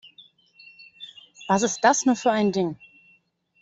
Was ist das nur für ein Ding?